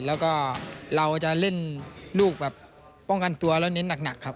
แล้วก็เราจะเล่นลูกแบบป้องกันตัวแล้วเน้นหนักครับ